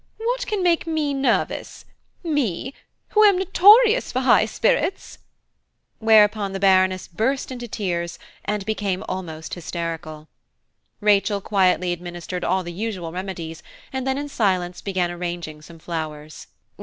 What can make me nervous? me, who am notorious for high spirits!" whereupon the Baroness burst into tears, and became almost hysterical. Rachel quietly administered all the usual remedies, and then in silence began arranging some flowers.